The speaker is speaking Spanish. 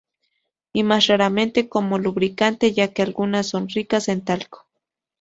Y más raramente como lubricantes, ya que algunas son ricas en talco.